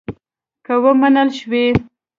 که ومنل شوې.